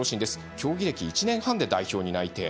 競技歴１年半で代表に内定。